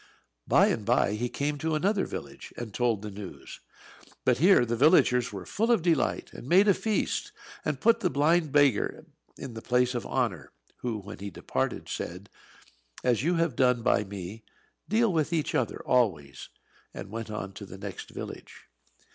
By and by he came to another village, and told the news. But here the villagers were full of delight, and made a feast, and put the blind beggar in the place of honour; who, when he departed, said, "As you have done by me, deal with each other always!" and went on to the next village.